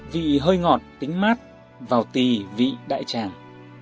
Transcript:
vị hơi ngọt tính mát vào tì vị đại tràng